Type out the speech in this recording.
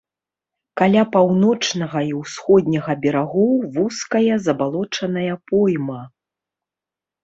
Каля паўночнага і ўсходняга берагоў вузкая забалочаная пойма.